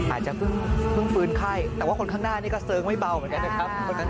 อาจจะเพิ่งฟื้นไข้แต่ว่าคนข้างหน้านี่ก็เสิร์งไม่เบาเหมือนกันนะครับ